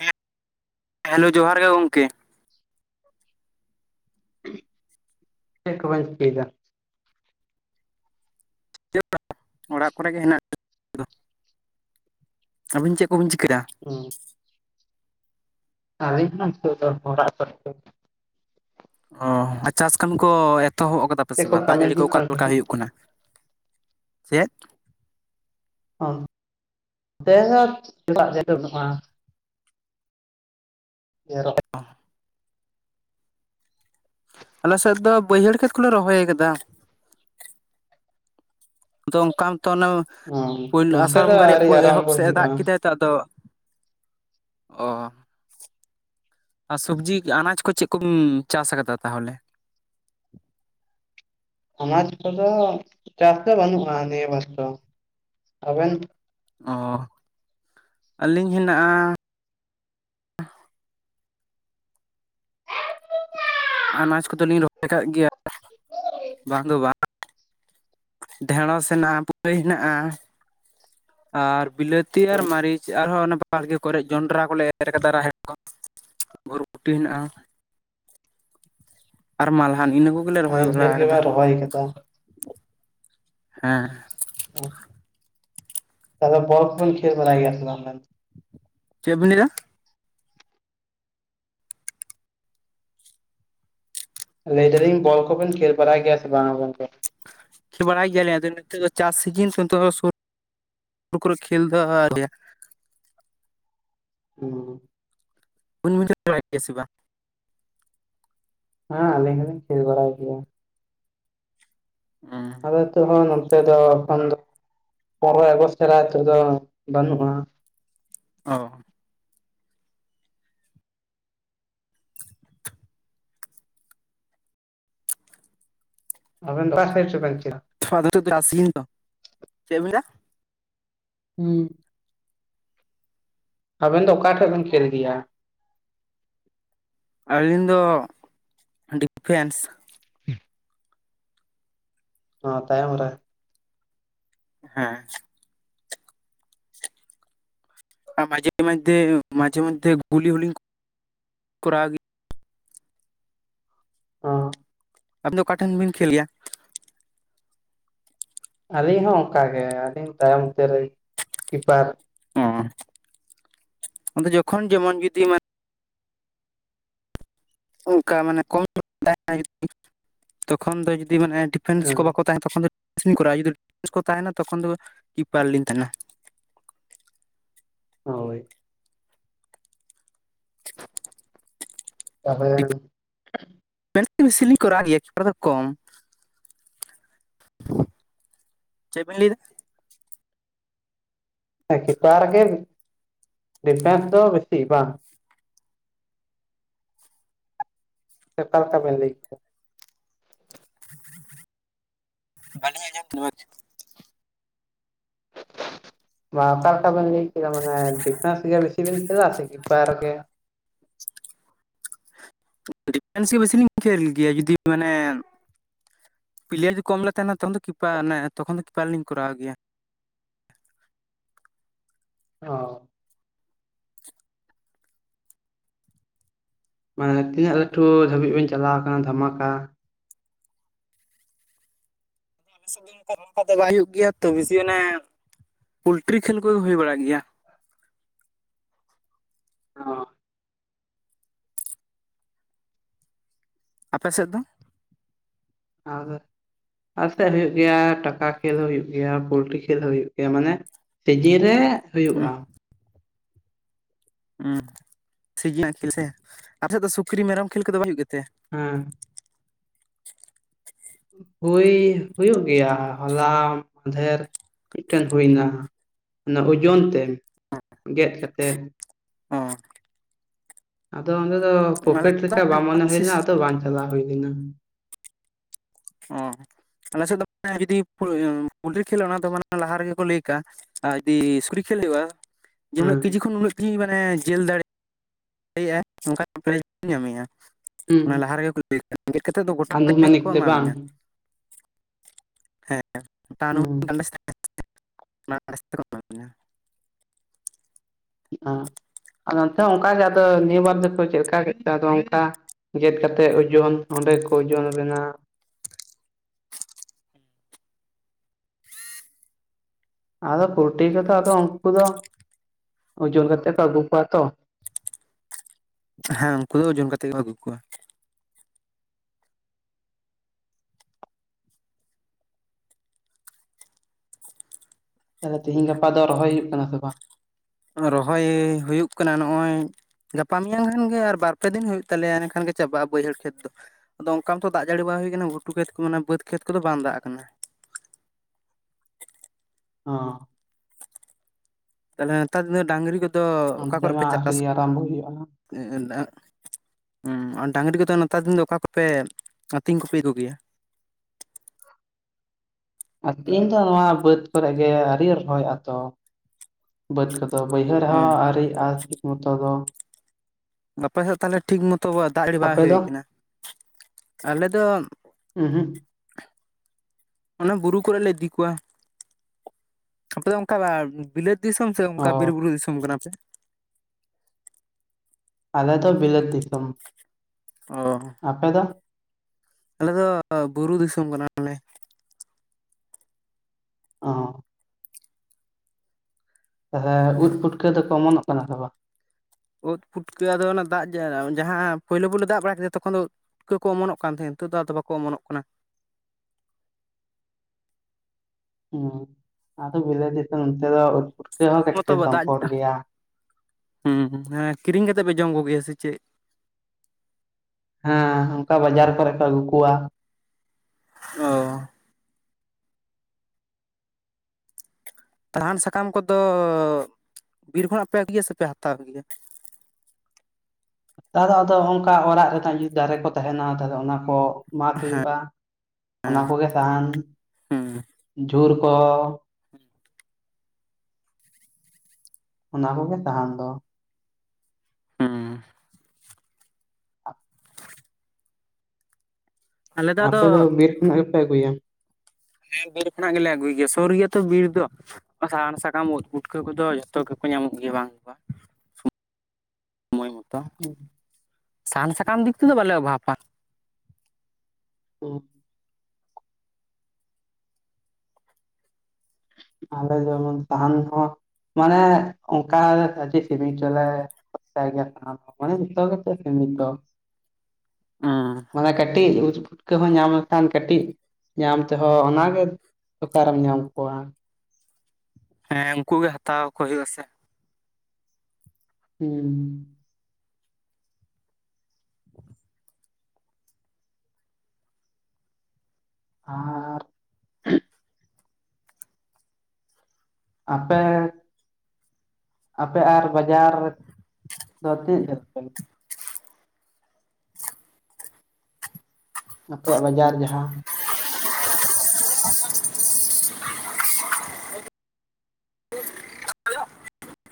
ᱦᱮ, hello ᱡᱚᱦᱟᱨ ᱜᱮ ᱜᱚᱢᱠᱮ ᱾ ᱪᱮᱫ ᱠᱚᱵᱮᱱ ᱪᱤᱠᱟᱭ ᱫᱟ? ᱚᱲᱟᱜ ᱠᱚᱨᱮ ᱜᱮ ᱦᱮᱱᱟᱜ ᱞᱤᱧᱟ᱾ ᱟᱹᱵᱤᱱ ᱪᱮᱫ ᱠᱚᱵᱤᱱ ᱪᱤᱠᱟᱹᱭᱟ? ᱦᱩᱸ ᱾ ᱟᱞᱤᱧ ᱦᱚᱸ ᱱᱤᱛᱚᱜ ᱫᱚ ᱚᱲᱟᱜ ᱠᱚᱨᱮ ᱜᱮ ᱾ ᱚ ᱪᱟᱥ ᱠᱟᱹᱢᱤ ᱠᱚ ᱮᱛᱚᱦᱚᱵ ᱠᱟᱫᱟ ᱯᱮ ᱪᱮᱫ ᱥᱮ ᱵᱟᱝ ᱫᱟᱜ ᱠᱟᱹᱢᱤ ᱡᱟᱹᱲᱤ ᱠᱚ ᱦᱩᱭᱩᱜ ᱚᱠᱟ ᱠᱟᱱ ᱞᱮᱠᱟ ᱛᱟᱦᱮᱸᱫ ᱦᱩᱭᱩᱜ ᱠᱟᱱᱟ? ᱪᱮᱫ [inaudible] [inaudible] ᱚ ᱟᱞᱮ ᱥᱮᱫ ᱫᱚ ᱵᱟᱹᱭᱦᱟᱹᱲ ᱠᱷᱮᱛ ᱠᱚᱞᱮ ᱨᱚᱦᱚᱭ ᱟᱠᱟᱫᱟ ᱾ ᱟᱫᱚ ᱚᱱᱠᱟᱱ ᱢᱚᱛᱚ ᱚᱱᱮ ᱦᱚᱸ ᱯᱳᱭᱞᱳ ᱱᱚᱱᱛᱮ ᱟᱸᱥᱟᱲ ᱫᱚ ᱵᱚᱸᱜᱟ ᱨᱮᱭᱟᱜ ᱟᱹᱣᱨᱤ ᱮᱦᱚᱵ ᱟᱨᱟᱢᱵᱚ ᱥᱮᱫ ᱮ ᱦᱩᱭᱩᱜᱼᱟ ᱫᱟᱜ ᱠᱮᱫᱟᱭ ᱫᱟᱜ ᱫᱚ ᱚ ᱟᱨ ᱥᱚᱵᱽᱡᱤ ᱟᱱᱟᱡ ᱠᱚ ᱪᱮᱫ ᱠᱚᱢ ᱪᱟᱥ ᱟᱠᱟᱫᱟ ᱛᱟᱦᱚᱞᱮ ᱟᱱᱟᱡ ᱠᱚᱫᱚ ᱪᱟᱥ ᱫᱚ ᱵᱟᱹᱱᱩᱜᱼᱟ ᱱᱤᱭᱟᱹ ᱵᱟᱨ ᱫᱚ ᱾ ᱟᱵᱮᱱ ᱦᱚᱸᱻ ᱟᱹᱞᱤᱧ ᱦᱮᱱᱟᱜᱼᱟ ᱟᱱᱟᱡᱽ ᱠᱚᱫᱚ, ᱞᱤᱧ ᱨᱚᱦᱚᱭ ᱟᱠᱟᱜ ᱜᱮᱭᱟ, ᱵᱟᱝ ᱫᱚ ᱵᱟᱝ ᱰᱷᱮᱸᱲᱚᱥ ᱥᱮᱱᱟᱜ, [unintelligible] ᱵᱩᱫᱟᱹᱭ ᱦᱮᱱᱟᱜᱼᱟ ᱾ ᱟᱨ, ᱵᱤᱞᱟᱹᱛᱤ ᱟᱨ, ᱢᱟᱹᱨᱤᱪ, ᱟᱨᱦᱚᱸ ᱚᱱᱟ ᱵᱟᱲᱜᱮ ᱠᱚᱨᱮ, ᱡᱚᱸᱰᱨᱟ ᱠᱚᱞᱮ ᱮᱨ ᱟᱠᱟᱫᱟ ᱨᱟᱦᱮᱲ ᱠᱚ, ᱵᱷᱩᱨᱵᱩᱴᱤ ᱦᱮᱱᱟᱜᱼᱟ ᱾ ᱟᱨ ᱢᱟᱞᱦᱟᱱ, ᱤᱱᱟ ᱠᱚᱜ ᱟᱼᱭ, ᱰᱷᱮᱨ ᱜᱮᱵᱟᱱ, ᱨᱚᱦᱚᱭ ᱟᱠᱟᱫᱟ ᱾ [inaudible] ᱦᱮᱸ ᱾ ᱚᱸᱜ ᱾ ᱛᱟᱦᱚᱞᱮ, ᱵᱚᱞ ᱠᱚ, ᱠᱷᱮᱞ ᱵᱟᱲᱟᱭ ᱜᱮᱭᱟ ᱥᱮ ᱵᱟᱝ? ᱪᱮᱫ ᱵᱮᱱ ᱞᱟᱹᱭ ᱮᱜᱼᱟ? ᱞᱟᱹᱭ ᱮᱫᱟ ᱞᱤᱧ, ᱵᱚᱞ ᱠᱚ ᱵᱮᱱ, ᱠᱷᱮᱞ ᱵᱟᱲᱟᱭ ᱜᱮᱭᱟ, ᱥᱮ ᱵᱟᱝ? ᱜᱚᱝᱠᱮ ᱾ ᱠᱷᱮᱞ, ᱵᱟᱲᱟᱭ ᱜᱮᱭᱟᱞᱤᱧ ᱾ ᱟᱫᱚ, ᱱᱤᱛᱚᱜ ᱫᱚ, ᱪᱟᱥ ᱥᱤᱡᱤᱱ [unintelligible] ᱱᱚᱜ ᱫᱚ, ᱥᱩᱨ ᱥᱩᱨ ᱠᱚᱨᱮ, ᱠᱷᱮᱞ ᱫᱚ ᱟᱨᱠᱤ - ᱦᱚᱸ ᱻ ᱾ ᱩᱱ [unintelligible] ᱯᱮᱠᱴᱨᱥ ᱜᱮᱭᱟ ᱥᱮ ᱵᱟᱝ? ᱦᱟᱸᱻ ᱟᱹᱞᱤᱧ ᱦᱚᱸᱞᱤᱧ, ᱠᱷᱮᱞ ᱵᱟᱲᱟᱭ ᱜᱮᱭᱟ ᱾ ᱮᱸᱻ ᱾ ᱤᱛᱚᱜ ᱱᱚᱛᱮ ᱫᱚ, ᱮᱚᱠᱷᱱ ᱫᱚ, ᱯᱚᱱᱨᱚᱭ ᱮᱜᱚᱥᱴ ᱱᱤᱛᱚᱜ ᱫᱚ, ᱵᱟᱹᱱᱩᱜᱼᱟ ᱾ ᱚᱸᱻ ᱾ ᱟᱵᱤᱱ, ᱚᱠᱟ ᱥᱮᱫ ᱪᱚᱵᱤᱱ, ᱠᱷᱮᱞᱻᱟ ᱾ ᱛ-ᱷᱩ, [unintelligible] ᱟᱥᱤᱱ ᱫᱚ, ᱪᱮᱫ ᱵᱤᱱ ᱞᱟᱹᱭᱟ ᱾ ᱦᱩᱸᱻ ᱾ ᱟᱵᱮᱱ ᱫᱚ, ᱚᱠᱟ ᱴᱷᱮᱱ ᱵᱮᱱ, ᱠᱷᱮᱞ ᱜᱮᱭᱟ ᱾ ᱟᱹᱞᱤᱧ ᱫᱚ, ᱰᱤ-ᱯᱷᱮᱱᱥ ᱾ [unintelligible] ᱚ ᱛᱟᱭᱚᱢ ᱨᱮ, ᱦᱮᱸᱻ ᱾ ᱟᱨ, ᱢᱟᱡᱷᱮ, ᱢᱚᱫᱷᱮ, ᱢᱟᱡᱷᱮ, ᱢᱚᱫᱷᱮ ᱜᱩᱞᱤ ᱦᱚᱸᱞᱤ ᱠᱚᱼᱨᱟᱣ ᱜᱮᱭᱟ ᱾ ᱚᱻ ᱾ ᱟᱹᱵᱤᱱ ᱫᱚ, ᱚᱠᱟ ᱴᱷᱮᱱ ᱵᱤᱱ, ᱠᱷᱮᱞ ᱜᱮᱭᱟ? ᱟᱹᱞᱤᱧ ᱦᱚᱸ, ᱚᱱᱠᱟ ᱜᱮ, ᱟᱹᱞᱤᱧ ᱛᱟᱭᱚᱢ ᱥᱮᱛ ᱨᱮ, ᱠᱤᱯᱟᱨ ᱾ ᱚᱸᱻ, ᱟᱫᱚ ᱡᱚᱠᱷᱚᱱ, ᱡᱮᱢᱚᱱ ᱡᱩᱫᱤ, ᱢᱟᱱ ᱚᱱᱠᱟ ᱢᱟᱱᱮ, ᱠᱚᱢ ᱛᱟᱦᱮᱱᱟ ᱾ ᱛᱚᱠᱷᱚᱱ ᱫᱚ, ᱡᱩᱫᱤ? ᱢᱟᱱᱮ, ᱰᱤ-ᱯᱷᱮᱱᱥ ᱠᱚ, ᱦᱮᱸ ᱵᱟᱠᱚ ᱛᱟᱦᱮᱱᱟ, ᱛᱚᱠᱷᱚᱱ ᱫᱚ ᱥᱯᱤᱸᱱ ᱠᱚᱨᱟᱣᱟ ᱾ ᱡᱩᱫᱤ ᱠᱚ ᱛᱟᱦᱮᱱᱟ, ᱛᱚᱠᱷᱚᱱ ᱫᱚ, ᱠᱤᱯᱟᱨ ᱞᱤᱧ ᱛᱟᱦᱮᱱᱟ ᱾ ᱦᱳᱭ ᱾ ᱛᱟ-ᱯᱚᱲᱮᱱ ᱾ ᱢᱮᱱᱥ ᱵᱮᱥᱤ ᱞᱤᱧ, ᱠᱚᱨᱟᱣ ᱜᱮᱭᱟ, [unintelligible] ᱫᱚ ᱠᱚᱢ [unintelligible] ᱪᱮᱫ ᱵᱮᱱ ᱞᱟᱹᱭᱮᱫᱟ ᱾ ᱠᱤᱯᱟᱨ ᱨᱮᱜᱮ, ᱰᱤ-ᱯᱷᱮᱸᱥ ᱫᱚ, ᱵᱮᱥᱤ ᱵᱟᱝ? [unintelligible] ᱞᱮᱠᱟ ᱵᱮᱱ ᱞᱟᱹᱭ ᱠᱮᱫᱟ? [unintelligible] ᱵᱟᱞᱤᱧ ᱟᱸᱡᱚᱢ [inaudible] [unintelligible] ᱵᱟᱸ ᱚᱠᱟ ᱞᱮᱠᱟ ᱵᱤᱱ ᱞᱟᱹᱭ ᱠᱮᱫᱟ ᱾ ᱢᱟᱱᱮ, ᱰᱤ-ᱯᱷᱮᱸᱥ ᱜᱮ, ᱵᱮᱥᱤ ᱵᱤᱱ, ᱠᱷᱮᱞᱟ ᱥᱮ ᱠᱤᱯᱟᱨ ᱜᱮ? ᱰᱤ-ᱯᱷᱮᱱᱥ ᱜᱮ, ᱵᱮᱥ ᱞᱤᱧ ᱠᱷᱮᱞ ᱜᱮᱭᱟ, ᱡᱩᱫᱤ? ᱢᱟᱱᱮ ᱯᱮᱞᱮᱟᱨ ᱡᱩᱫᱤ, ᱠᱚᱢ ᱞᱮ ᱛᱟᱦᱮᱱᱟ, ᱛᱠᱷᱚᱱ ᱫᱚ, ᱠᱤᱯᱟᱨ, ᱛᱚᱠᱷᱚᱱ ᱠᱤᱯᱟᱨ ᱨᱮᱞᱤᱧ ᱠᱚᱨᱟᱣ ᱜᱮᱭᱟ ᱾ ᱚᱸ ᱢᱟᱱᱮ ᱛᱤᱱᱟᱹᱜ ᱞᱟᱹᱴᱩ ᱫᱷᱟᱹᱵᱤᱜ ᱵᱮᱱ ᱪᱟᱞᱟᱣ ᱟᱠᱟᱱᱟ ᱫᱷᱟᱢᱟᱠᱟ, ᱟᱞᱮ ᱥᱮᱜ ᱫᱚ ᱚᱱᱠᱟ ᱫᱚ ᱵᱟᱭ ᱦᱩᱭᱩᱜ ᱜᱮᱭᱟ ᱛᱚ ᱵᱮᱥᱤ ᱚᱱᱮ ᱯᱚᱞᱴᱨᱤ ᱠᱷᱮᱞ ᱠᱚᱜᱮ ᱦᱩᱭ ᱵᱟᱲᱟᱜ ᱜᱮᱭᱟ᱾ ᱟᱯᱮ ᱥᱮᱫ ᱫᱚ? ᱟᱫᱚ, ᱟᱤᱛᱮᱫ ᱦᱩᱭᱩᱜ ᱜᱮᱭᱟ ᱴᱟᱠᱟ ᱠᱷᱮᱞ ᱦᱚᱸ ᱦᱩᱭᱩᱜ ᱜᱮᱭᱟ ᱯᱳᱞᱴᱤ ᱠᱷᱮᱞ ᱦᱚᱸ ᱦᱩᱭᱩᱜ ᱜᱮᱭᱟ ᱢᱟᱱᱮ, ᱥᱤᱡᱤᱱ ᱨᱮ ᱦᱩᱭᱩᱜᱼᱟ᱾ ᱦᱩᱸ ᱥᱤᱡᱤᱧ ᱠᱷᱮᱞ ᱥᱮ ᱟᱯᱮ ᱥᱮᱫ ᱫᱚ ᱥᱩᱠᱨᱤ ᱢᱮᱨᱚᱢ ᱠᱷᱮᱞ ᱠᱚᱫᱚ ᱵᱟᱭ ᱦᱩᱭᱩᱜ ᱜᱮᱛᱮ? ᱦᱮᱸ, ᱦᱩᱭ ᱦᱩᱭᱩᱜ ᱜᱮᱭᱟ ᱦᱚᱞᱟ ᱢᱟᱫᱷᱮᱨ ᱢᱤᱫᱴᱮᱱ ᱦᱩᱭᱱᱟ᱾ ᱟᱫᱚ ᱚᱡᱱ ᱛᱮ ᱜᱮᱫ ᱠᱟᱛᱮᱫ᱾ ᱦᱚᱸ ᱟᱫᱚ ᱚᱸᱰᱮ ᱫᱚ ᱟᱞᱮ ᱯᱨᱚᱯᱷᱤᱮᱴ ᱥᱮᱫ ᱫᱚ ᱚ ᱞᱮᱠᱟ ᱵᱟᱝ ᱢᱚᱱᱮ ᱦᱩᱭ ᱞᱮᱱᱟ ᱟᱫᱚ ᱵᱟᱝ ᱪᱟᱞᱟᱣ ᱦᱩᱭ ᱞᱮᱱᱟ᱾ ᱚ ᱟᱞᱮ ᱥᱮᱫ ᱫᱚ ᱡᱩᱫᱤ ᱯᱩ ᱯᱩᱞᱴᱨᱤ ᱠᱷᱮᱞ ᱚᱱᱟ ᱫᱚ ᱢᱟᱱᱮ ᱞᱟᱦᱟ ᱨᱮᱜᱮ ᱠᱚ ᱞᱟᱹᱭ ᱠᱟᱜᱼᱟ᱾ ᱟᱨ ᱡᱩᱫᱤ ᱥᱩᱠᱨᱤ ᱠᱷᱮᱞ ᱦᱩᱭᱩᱜᱼᱟ ᱡᱮ ᱩᱱᱟᱹᱜ ᱦᱮᱸ ᱠᱮᱡᱤ ᱠᱷᱚᱱ ᱩᱱᱟᱹᱜ ᱠᱤᱡᱤ ᱢᱟᱱᱮ ᱡᱮᱞ ᱫᱟᱲᱮᱭᱟᱜᱼᱟ, ᱞᱟᱹᱜᱹᱭᱮᱜᱼᱟᱭ ᱚᱱᱠᱟ [unintelligible] ᱧᱟᱢᱮᱭᱟ᱾ ᱦᱩᱸ ᱚᱱᱟ ᱞᱟᱦᱟ ᱨᱮᱜᱮ ᱠᱚ ᱞᱟᱹᱭ ᱠᱮᱫᱟ ᱜᱮᱫ ᱠᱟᱛᱮᱫ ᱫᱚ ᱜᱚᱴᱟ ᱛᱮ ᱟᱱᱩᱢᱟᱱᱤᱠ ᱠᱚ ᱮᱢᱟ ᱵᱟᱝ ᱵᱤᱱᱟ᱾ ᱦᱮᱸ [unintelligible] [unintelligible] ᱦᱩᱸ [unintelligible] ᱵᱤᱱᱟ ᱮᱸ ᱟᱫᱚ ᱚᱱᱛᱮ ᱚᱱᱠᱟ ᱜᱮ ᱟᱫᱚ ᱱᱤᱭᱟᱹᱵᱟᱨ ᱫᱚᱠᱚ ᱪᱮᱫᱠᱟ ᱠᱮᱫ ᱠᱚ ᱟᱫᱚ ᱚᱱᱠᱟ ᱜᱮᱫ ᱠᱟᱛᱮᱜ ᱳᱡᱚᱱ ᱚᱸᱰᱮ ᱠᱚ ᱳᱡᱚᱱᱟ ᱵᱮᱱᱟ᱾ ᱟᱫᱚ ᱯᱚᱞᱴᱤ ᱠᱚᱫᱚ ᱟᱫᱚ ᱩᱱᱠᱩ ᱫᱚ ᱳᱡᱚᱱ ᱠᱟᱛᱮ ᱠᱚ ᱟᱹᱜᱩ ᱠᱚᱣᱟ ᱛᱚ, ᱦᱮᱸ ᱩᱱᱠᱩ ᱫᱚ ᱳᱡᱳᱚᱱ ᱠᱟᱛᱮᱜ ᱠᱚ ᱟᱹᱜᱩ ᱠᱚᱣᱟ᱾ ᱟᱫᱚ ᱛᱮᱤᱦᱮᱧ ᱜᱟᱯᱟ ᱫᱚ ᱨᱚᱦᱚᱭ ᱦᱩᱭᱩᱜ ᱠᱟᱱᱟ ᱥᱮ ᱵᱟᱝ? ᱨᱚᱦᱚᱭ ᱦᱩᱭᱩᱜ ᱠᱟᱱᱟ ᱱᱚᱜᱼᱚᱭ, ᱜᱟᱯᱟ ᱢᱮᱭᱟᱝ ᱠᱷᱟᱱᱜᱮ ᱟᱨ ᱵᱟᱨ ᱯᱮ ᱫᱤᱱ ᱦᱩᱭᱩᱜ ᱛᱟᱞᱮᱭᱟ ᱮᱱᱠᱷᱟᱱ ᱜᱮ ᱪᱟᱵᱟᱜᱼᱟ ᱵᱟᱹᱭᱦᱟᱹᱲ ᱠᱷᱮᱛ ᱫᱚ᱾ ᱟᱫᱚ ᱚᱱᱠᱟ ᱢᱛᱚ ᱫᱟᱜᱽ ᱡᱟᱹᱲᱤ ᱵᱟᱝ ᱦᱩᱭ ᱟᱠᱟᱱᱟ ᱜᱷᱩᱴᱩ ᱠᱷᱮᱛ ᱠᱚ ᱚᱱᱟ ᱵᱟᱹᱫᱽ ᱠᱷᱮᱛ ᱠᱚᱫᱚ ᱵᱟᱝ ᱫᱟᱜᱽ ᱠᱟᱱᱟ᱾ ᱦᱚᱸ ᱛᱟᱦᱞᱮ ᱱᱮᱛᱟᱨ ᱫᱤᱱ ᱫᱚ ᱰᱟᱹᱟᱝᱨᱤ ᱠᱚᱫᱚ ᱚᱠᱟ ᱚᱱᱛᱮ ᱠᱚᱨᱮ ᱯᱮ ᱢᱟ ᱪᱟᱥ ᱟᱹᱣᱨᱤ ᱟᱨᱟᱢᱵᱚ ᱦᱩᱭᱩᱜᱼᱟ [unintelligible] ᱚᱸ ᱟᱨ ᱰᱟᱝᱨᱤ ᱠᱚᱫᱚ ᱱᱮᱛᱟᱨ ᱫᱤᱱ ᱫᱚ ᱚᱠᱟ ᱠᱚᱯᱮ ᱟᱹᱛᱤᱧ ᱠᱚᱯᱮ ᱟᱹᱜᱩ ᱜᱮᱭᱟ? ᱟᱛᱤᱧ ᱫᱚ ᱱᱚᱣᱟ ᱵᱟᱹᱫᱽ ᱠᱚᱨᱮ ᱜᱮ ᱟᱹᱣᱨᱤ ᱨᱚᱦᱚᱭᱚᱜᱼᱟ ᱛᱚ᱾ ᱵᱟᱹᱫᱽ ᱠᱚᱫᱚ ᱵᱟᱹᱭᱦᱟᱹᱲ ᱦᱚᱸ ᱦᱮᱸ ᱟᱹᱭᱨᱤᱭᱟᱜᱼᱟ ᱴᱷᱤᱠ ᱢᱚᱛᱚ ᱫᱚ᱾ ᱜᱟᱯᱟ ᱥᱮᱫ ᱛᱟᱦᱚᱞᱮ ᱴᱷᱤᱠ ᱢᱚᱛᱚ ᱫᱟᱜᱽ ᱡᱲᱤ ᱵᱟᱝ ᱟᱯᱮ ᱦᱩᱭ ᱫᱚ ᱠᱟᱱᱟ ᱟᱞᱮ ᱫᱚ, ᱩᱸ ᱦᱩᱸᱜ᱾ ᱚᱱᱟ ᱵᱩᱨᱩ ᱠᱚᱨᱮ ᱞᱮ ᱤᱫᱤ ᱠᱚᱣᱟ ᱟᱯᱮ ᱫᱚ ᱚᱱᱠᱟᱞᱟᱵ, ᱵᱤᱞᱟᱹᱛ ᱫᱤᱥᱚᱢ ᱥᱮ ᱚ ᱚᱱᱠᱟ ᱵᱤᱨ ᱵᱩᱨᱩ ᱫᱤᱥᱚᱢ ᱠᱟᱱᱟᱯᱮ? ᱟᱞᱮ ᱫᱚ ᱵᱤᱞᱟᱹᱛ ᱫᱤᱥᱚᱢ᱾ ᱚᱸ ᱟᱯᱮ ᱫᱚ? ᱟᱞᱮ ᱫᱚ ᱵᱩᱨᱩ ᱫᱤᱥᱚᱢ ᱠᱟᱱᱟᱞᱮ᱾ ᱚᱸ᱾ ᱦᱮᱸ ᱩᱫ ᱯᱩᱴᱠᱟᱹ ᱫᱚ ᱠᱚᱢᱚᱱᱚᱜ ᱠᱟᱱᱟ ᱥᱮ ᱵᱟᱝ? ᱩᱫ ᱯᱷᱩᱴᱠᱟᱹ ᱟᱫᱚ ᱚᱱᱟ ᱫᱟᱜᱽ ᱡᱟᱦᱟᱸ ᱯᱳᱭᱞᱳ ᱯᱳᱭᱞᱳ ᱫᱟᱜᱽ ᱵᱟᱲᱟ ᱠᱮᱫᱟ ᱛᱚᱠᱷᱚᱱ ᱫᱚ, ᱯᱩᱴᱠᱟᱹ ᱠᱚ ᱚᱢᱚᱱᱚᱜ ᱠᱟᱱ ᱛᱟᱦᱮᱸᱫ ᱱᱤᱛᱚᱜ ᱫᱚ ᱟᱫᱚ ᱵᱟᱠᱚ ᱚᱢᱚᱱᱚᱜ ᱠᱟᱱᱟ᱾ ᱦᱩᱸ ᱟᱫᱚ ᱵᱤᱞᱟᱹᱛ ᱫᱤᱥᱚᱢ ᱚᱱᱚᱛᱮ ᱫᱚ, ᱯᱩᱴᱠᱟᱹ ᱦᱚᱸ ᱥᱩᱱᱩᱢ ᱢᱚᱛᱚ ᱠᱟᱹᱴᱤᱡ ᱫᱟᱜᱽ ᱥᱚᱝᱠᱚᱴ ᱜᱮᱭᱟ ᱦᱩᱸ ᱦᱮᱸ ᱠᱤᱨᱤᱧ ᱠᱟᱛᱮᱜ ᱯᱮ ᱡᱚᱢ ᱠᱚ ᱜᱮᱭᱟ ᱥᱮ ᱪᱮᱜ? ᱦᱮᱸ ᱚᱱᱠᱟ ᱵᱟᱡᱟᱨ ᱠᱚᱨᱮ ᱠᱚ ᱟᱹᱜᱩ ᱠᱚᱣᱟ᱾ ᱚᱻ [unintelligible] ᱥᱟᱦᱟᱱ ᱥᱟᱠᱟᱢ ᱠᱚᱫᱚ ᱵᱤᱨ ᱠᱷᱚᱱᱟᱜ ᱯᱮ ᱟᱹᱜᱩᱭᱟ ᱥᱮᱯᱮ ᱦᱟᱛᱟᱣ ᱜᱮᱭᱟ? ᱛᱟᱦᱚᱞᱮ ᱟᱫᱚ ᱚᱱᱠᱟ ᱚᱲᱟᱜ ᱨᱮᱱᱟᱜ ᱡᱩᱫᱤ ᱫᱟᱨᱮ ᱠᱚ ᱛᱟᱦᱮᱱᱟ ᱛᱟᱦᱚᱞᱮ ᱚᱱᱟ ᱠᱚ, ᱢᱟᱜᱽ ᱦᱩᱭᱩᱜᱼᱟ, ᱚᱱᱟ ᱠᱚᱜᱮ ᱥᱟᱦᱟᱱ, ᱦᱩᱸ ᱡᱷᱩᱲ ᱠᱚ, [inaudible] ᱚᱱᱟ ᱠᱚᱜᱮ ᱥᱟᱦᱟᱱ ᱫᱚ᱾ ᱦᱮᱸ, ᱟᱞᱮ ᱟᱫᱚ ᱟᱯᱮ ᱫᱚ ᱵᱤᱨ ᱠᱷᱚᱱᱟᱜ ᱜᱮᱯᱮ ᱟᱹᱜᱩᱭᱟ? ᱦᱮᱸ ᱵᱤᱨ ᱠᱷᱚᱱᱟᱜ ᱜᱮᱞᱮ ᱟᱹᱜᱩᱭ ᱜᱮᱭᱟ᱾ ᱥᱩᱨ ᱜᱮᱭᱟᱛᱚ ᱵᱤᱨ ᱫᱚ ᱥᱟᱦᱟᱱ ᱥᱟᱠᱟᱢ, ᱩᱫ, ᱯᱩᱴᱠᱟᱹ ᱠᱚᱫᱚ ᱡᱚᱛᱚ ᱜᱮᱠᱚ ᱧᱟᱢᱚᱜ ᱜᱮᱭᱟ ᱵᱟᱝ ᱫᱚ ᱵᱟᱝ ᱾ ᱢᱚᱭ ᱢᱚᱛᱚ ᱾ ᱦᱮᱸ, ᱥᱟᱦᱟᱱ ᱥᱟᱠᱟᱢ ᱫᱤᱠ ᱛᱮᱫᱚ ᱵᱟᱞᱮ ᱚᱵᱷᱟᱵᱷᱯᱟ ᱾ ᱚᱻ ᱟᱞᱮ ᱡᱮᱢᱚᱱ ᱥᱟᱦᱟᱱ ᱦᱚᱸ ᱢᱟᱱᱮ ᱚᱱᱠᱟ ᱥᱤᱵᱤᱞ [unintelligible] ᱪᱚᱞᱮ, ᱢᱟᱱᱮ ᱱᱤᱛᱚᱜ ᱜᱮᱛᱚ ᱥᱮ ᱱᱤᱛ [unintelligible] ᱢᱟᱱᱮ ᱠᱟᱹᱴᱤᱡ ᱯᱩᱴᱠᱟᱹ ᱦᱚᱸ ᱧᱟᱢ ᱞᱮᱠᱷᱟᱱ ᱠᱟᱹᱴᱤᱡ ᱧᱟᱢ ᱛᱮᱦᱚᱸ ᱚᱱᱟᱜᱮ ᱚᱠᱟᱨᱮᱢ ᱧᱟᱢ ᱠᱚᱣᱟ? ᱦᱮᱸ ᱩᱱᱠᱩ ᱜᱮ ᱦᱟᱛᱟᱣ ᱠᱚ ᱦᱩᱭᱩᱜᱼᱟ ᱥᱮ᱾ ᱦᱮᱸ, ᱟᱨ ᱟᱯᱮ ᱟᱯᱮ ᱟᱨ ᱵᱟᱡᱟᱨ ᱫᱚ ᱛᱤᱱᱟᱹᱜ ᱡᱷᱟᱹᱞ ᱛᱟᱯᱮᱭᱟ? ᱟᱯᱮᱭᱟᱜ ᱵᱟᱡᱟᱨ ᱡᱟᱦᱟᱸ, [inaudible] [unintelligible]